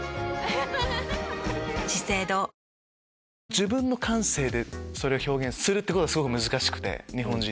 自分の感性で表現することがすごく難しくて日本人は。